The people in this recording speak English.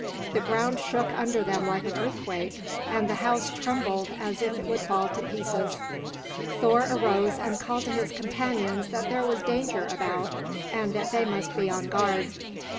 The ground shook under them like an earthquake, and the house trembled as if it would fall to pieces. Thor arose and called to his companions that there was danger about, and that they must be on guard.